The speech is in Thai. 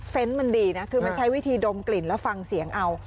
เซนส์มันดีคือมันใช้วิธีดมกลิ่นแลกฟังเสียงเอา